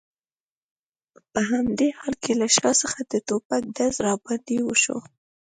په همدې حال کې له شا څخه د ټوپک ډز را باندې وشو.